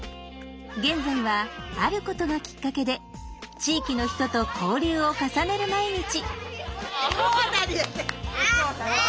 現在はあることがきっかけで地域の人と交流を重ねる毎日。